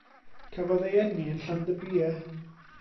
Cafodd ei eni yn Llandybie.